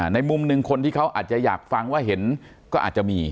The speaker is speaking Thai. ในมุมหนึ่งคนที่เขาอาจจะอยากฟังว่าเห็นก็อาจจะมี